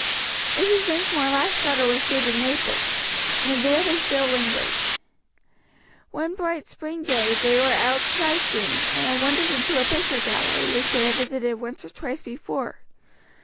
Mrs. Dinsmore's last letter was dated Naples, and there they still lingered. One bright spring day they were out sight seeing, and had wandered into a picture gallery which they had visited once or twice before.